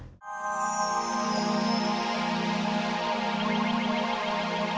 jangan lupa like subscribe share dan subscribe ya